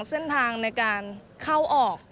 เส้นทางในการเข้าออก